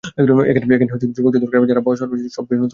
এখানে যুবকদের দরকার, যারা বড় শহর ছেড়ে নতুনভাবে সবকিছু শুরু করতে চায়।